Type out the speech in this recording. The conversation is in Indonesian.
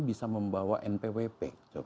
bisa membawa npwp